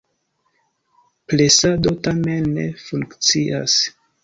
Presado tamen ne funkcias.